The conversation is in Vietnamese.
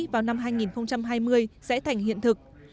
vào năm hai nghìn hai mươi sẽ thành hiện thực